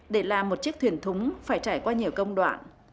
để làm một chiếc thuyền thúng phải trải qua nhiều công đoạn